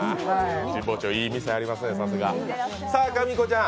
神保町、いい店ありますね、さすが。